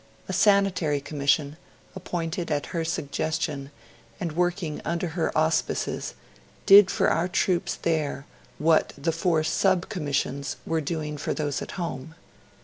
A Sanitary Commission, appointed at her suggestion, and working under her auspices, did for our troops there what the four Sub Commissions were doing for those at home.